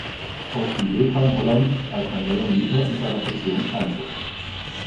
Auf die Idee kam Holland, als ein neuer Mieter in seiner Pension einzog.